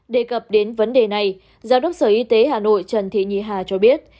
đề cập đến vấn đề này giám đốc sở y tế hà nội trần thị nhì hà cho biết